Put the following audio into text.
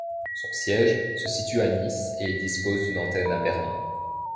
Son siège se situe à Nice et il dispose d'une antenne à Berlin.